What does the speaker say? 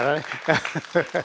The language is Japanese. アハハハ。